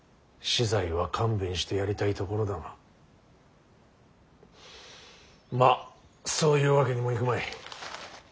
死罪は勘弁してやりたいところだがまあそういうわけにもいくまい。